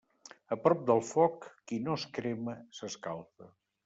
A prop del foc, qui no es crema, s'escalfa.